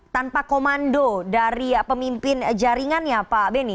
tanpa komando dari pemimpin jaringan ya pak beni